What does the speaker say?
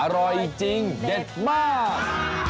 อร่อยจริงเด็ดมาก